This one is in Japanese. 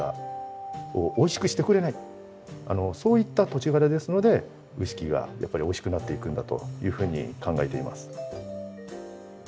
そういった土地柄ですのでウイスキーがやっぱりおいしくなっていくんだというふうに考えています。